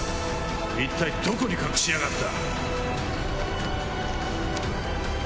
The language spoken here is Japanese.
一体どこに隠しやがった？